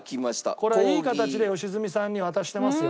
これいい形で良純さんに渡してますよ。